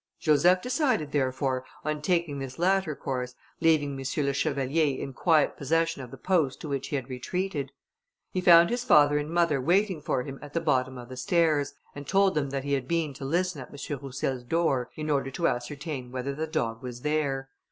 Joseph decided, therefore, on taking this latter course, leaving M. le Chevalier in quiet possession of the post to which he had retreated. He found his father and mother waiting for him at the bottom of the stairs, and told them that he had been to listen at M. Roussel's door in order to ascertain whether the dog was there.